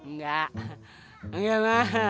nggak enggak enggak